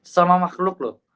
sama makhluk loh